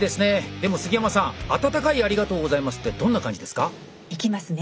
でも杉山さん温かい「ありがとうございます」ってどんな感じですか？